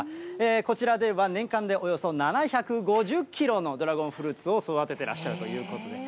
こちらでは、年間でおよそ７５０キロのドラゴンフルーツを育ててらっしゃるということで。